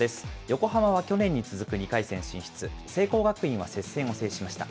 横浜は去年に続く２回戦進出、聖光学院は接戦を制しました。